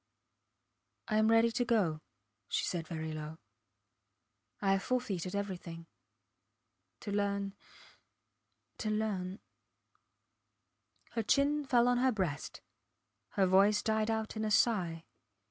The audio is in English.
I am ready to go, she said very low. I have forfeited everything ... to learn ... to learn ... Her chin fell on her breast; her voice died out in a sigh.